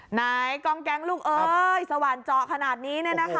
ไหนกองแก๊งลูกเอ้ยสว่านเจาะขนาดนี้เนี่ยนะคะ